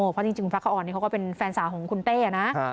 เพราะจริงพระคอรก็เป็นแฟนสาวของคุณเต้นะ